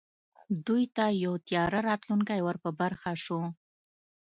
دوی ته یو تیاره راتلونکی ور په برخه شو